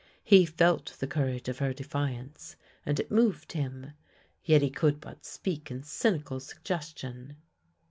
He felt the courage of her defiance, and it moved him. Yet he could but speak in cynical suggestion.